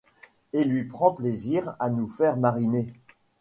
Et lui prend plaisir à nous faire mariner.